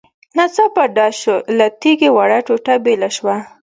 . ناڅاپه ډز شو، له تيږې وړه ټوټه بېله شوه.